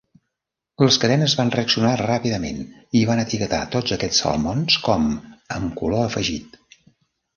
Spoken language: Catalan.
Les cadenes van reaccionar ràpidament i van etiquetar tots aquests salmons com "amb color afegit".